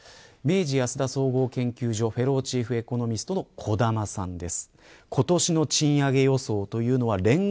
明治安田総合研究所フェローチーフエコノミストの小玉さんです。